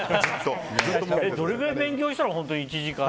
どれくらい勉強したの？